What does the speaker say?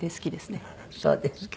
そうですか。